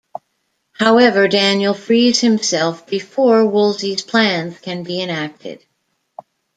However, Daniel frees himself before Woolsey's plans can be enacted.